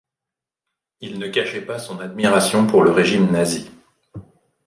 Il ne cachait pas son admiration pour le régime Nazi.